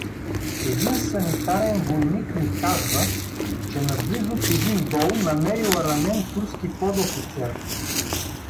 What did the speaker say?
Един санитарен войник ми казва, че наблизо в един дол намерил ранен турски подофицер.